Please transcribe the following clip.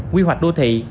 quy hoạch đô thị